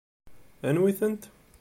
Anwi-tent?